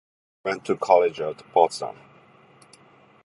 He went to college at Potsdam.